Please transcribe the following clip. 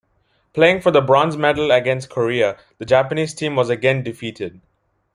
Playing for the bronze medal against Korea, the Japanese team was again defeated.